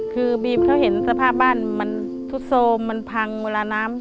คือบีมเขาเห็นสภาพบ้านมันทุดโทรมมันพังเวลาน้ำ